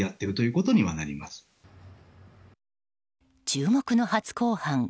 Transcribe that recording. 注目の初公判